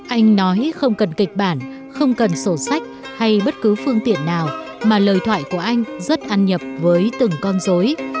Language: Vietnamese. anh nói không cần kịch bản không cần sổ sách hay bất cứ phương tiện nào mà lời thoại của anh rất ăn nhập với từng con dối